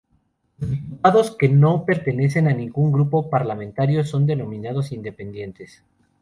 Los diputados que no pertenecen a ningún grupo parlamentario son denominados independientes.